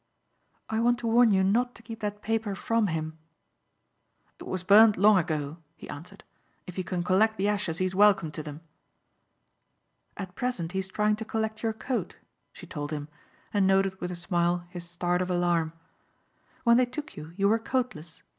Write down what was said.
"I want to warn you not to keep that paper from him." "It was burned long ago," he answered. "If he can collect the ashes he is welcome to them." "At present he is trying to collect your coat," she told him and noted with a smile his start of alarm. "When they took you you were coatless.